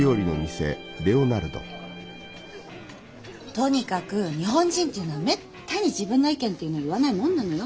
とにかく日本人っていうのはめったに自分の意見っていうの言わないもんなのよ。